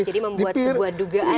jadi membuat sebuah dugaan